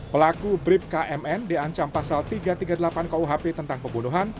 pelaku brib kmn diancam pasal tiga ratus tiga puluh delapan kuhp tentang pembunuhan